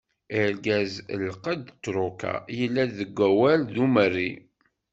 Argaz lqedd tṛuka, yella deg awal d Umerri.